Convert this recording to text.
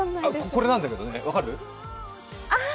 これなんだけどね、分かる？